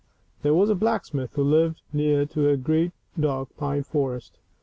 ll 1 i^ '/>^ i JHERE was a blacksmith who lived near to a great, dark pine forest.